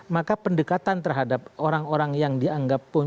maka pendekatan terhadap orang orang yang dianggap pun